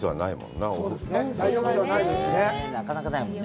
なかなかないもんね。